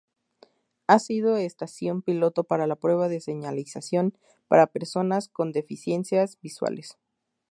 Ha sido estación piloto para la prueba de señalización para personas con deficiencias visuales.